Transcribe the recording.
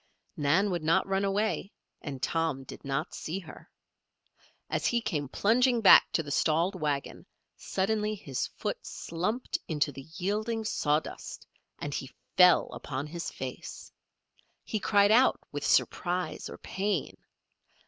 Nan would not run away and Tom did not see her. As he came plunging back to the stalled wagon, suddenly his foot slumped into the yielding sawdust and he fell upon his face. He cried out with surprise or pain.